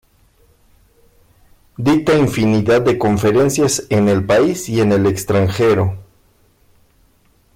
Dicta infinidad de conferencias en el país y en el extranjero.